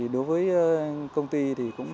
đối với công ty thì cũng